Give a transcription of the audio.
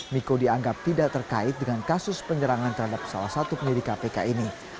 miko dianggap tidak terkait dengan kasus penyerangan terhadap salah satu penyelidik kpk ini